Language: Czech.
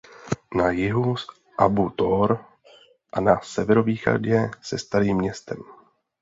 Na jihu s Abu Tor a na severovýchodě se Starým Městem.